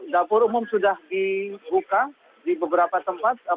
dapur umum sudah dibuka di beberapa tempat